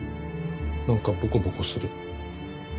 なんかボコボコする。